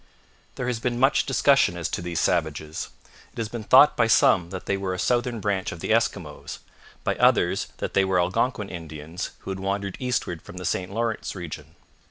There has been much discussion as to these savages. It has been thought by some that they were a southern branch of the Eskimos, by others that they were Algonquin Indians who had wandered eastward from the St Lawrence region.